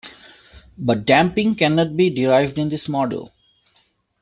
But damping cannot be derived in this model.